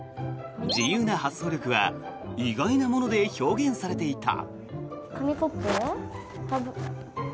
自由な発想力は意外なもので表現されていた。